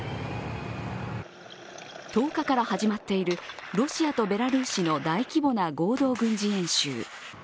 １０日から始まっているロシアとベラルーシの大規模な合同軍事演習。